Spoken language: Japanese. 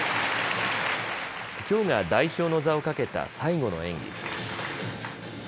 きょうが代表の座をかけた最後の演技。